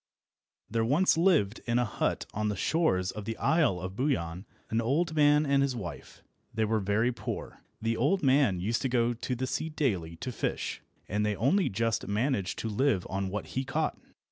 THERE once lived in a hut on the shores of the Isle of Buyan an old man and his wife. They were very poor. The old man used to go to the sea daily to fish, and they only just managed to live on what he caught.